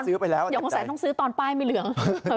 เดี๋ยวคงใส่ต้องซื้อตอนป้ายไม่เหลือง